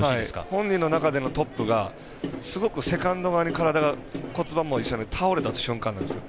本人の中でのトップがすごくセカンド側に体が骨盤も一緒に倒れた瞬間なんですよ。